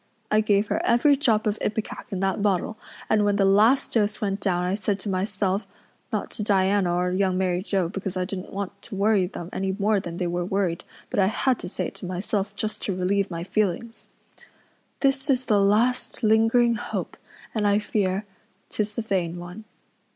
I gave her every drop of ipecac in that bottle and when the last dose went down I said to myself not to Diana or Young Mary Joe, because I didn't want to worry them any more than they were worried, but I had to say it to myself just to relieve my feelings 'This is the last lingering hope and I fear, tis a vain one.